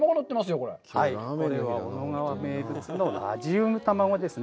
これは小野川名物のラジウム玉子ですね。